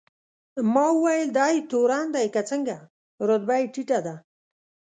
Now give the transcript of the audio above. ما وویل: دی تورن دی که څنګه؟ رتبه یې ټیټه ده.